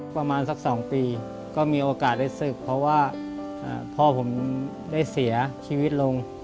ประมาณสัก๒ปีก็มีโอกาสได้ศึกเพราะว่าพ่อผมได้เสียชีวิตลง